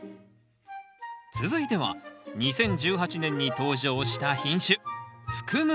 続いては２０１８年に登場した品種